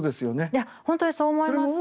いや本当にそう思います。